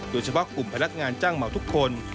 โดยเฉพาะกลุ่มพนักงานจ้างเหมาทุกคน